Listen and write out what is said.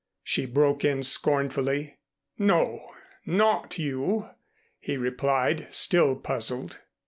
she broke in scornfully. "No. Not you " he replied, still puzzled.